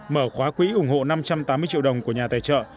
mở khóa quỹ ủng hộ năm trăm tám mươi triệu đồng của nhà tài trợ